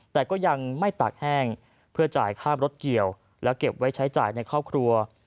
แต่ก็ยังไม่ตากแห้งเพื่อจ่ายค่ารถเกี่ยวแล้วเก็บไว้ใช้จ่ายในครอบครัว